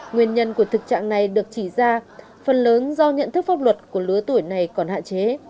nguyên nhân của thực trạng này được chỉ ra phần lớn do nhận thức pháp luật của lứa tuổi này còn hạn chế